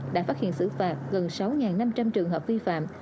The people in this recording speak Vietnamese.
đã phát hiện xử phạt gần sáu năm trăm linh trường hợp vi phạm